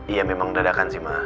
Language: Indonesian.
iya memang mendedakan sih ma